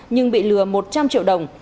nhưng bị lừa một trăm linh triệu đồng